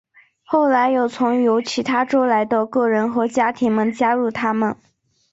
后来有从由其他州来的个人和家庭们加入他们。